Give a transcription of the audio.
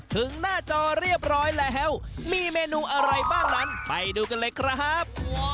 ถึงหน้าจอเรียบร้อยแล้วมีเมนูอะไรบ้างนั้นไปดูกันเลยครับ